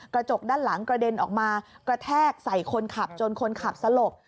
กระจกด้านหลังกระเด็นออกมากระแทกใส่คนขับจนคนขับสลบ